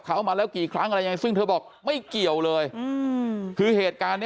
เขามาแล้วกี่ครั้งอะไรยังไงซึ่งเธอบอกไม่เกี่ยวเลยอืมคือเหตุการณ์เนี้ย